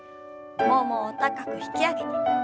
ももを高く引き上げて。